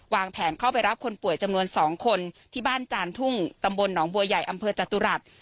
วางแผนเข้าไปรับคนป่วยจำนวน๒คนที่บ้านจานทุ่งตำบลหนองบัวใหญ่อำเภอจตุรัส